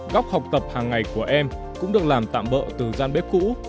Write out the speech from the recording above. góc học tập hàng ngày của em cũng được làm tạm bỡ từ gian bếp cũ